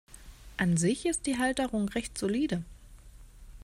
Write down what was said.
An sich ist die Halterung recht solide.